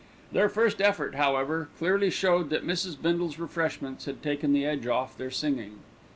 Their first effort, however, clearly showed that Mrs. Bindle's refreshments had taken the edge off their singing.